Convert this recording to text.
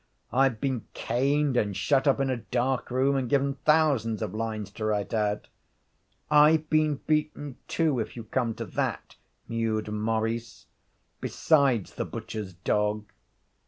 I've been caned and shut up in a dark room and given thousands of lines to write out.' 'I've been beaten, too, if you come to that,' mewed Maurice. 'Besides the butcher's dog.'